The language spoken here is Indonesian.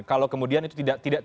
kalau kemudian itu tidak